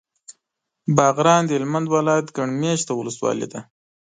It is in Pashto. باغران د هلمند ولایت ګڼ مېشته ولسوالي ده.